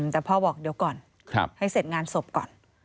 แต่พ่อบอกเดี๋ยวก่อนให้เสร็จงานศพก่อน